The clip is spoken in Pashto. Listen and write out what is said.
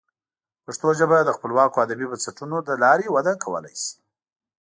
پښتو ژبه د خپلواکو ادبي بنسټونو له لارې وده کولی شي.